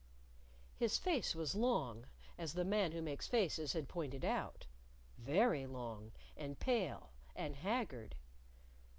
His face was long, as the Man Who Makes Faces had pointed out very long, and pale, and haggard.